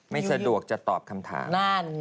ไม่สะดวกจะตอบคำถาม